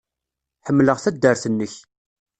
Ḥemmleɣ taddart-nnek.